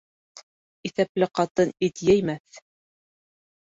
Иҫәпле ҡатын ит еймәҫ.